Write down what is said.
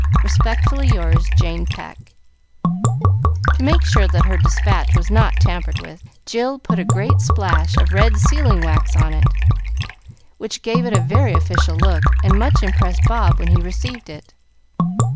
Respectfully yours, "Jane Pecq" To make sure that her despatch was not tampered with, Jill put a great splash of red sealing wax on it, which gave it a very official look, and much impressed Bob when he received it.